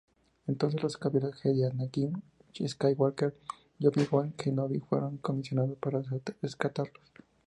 Entonces Los caballeros Jedi Anakin Skywalker y Obi-Wan Kenobi fueron comisionados para rescatarlos.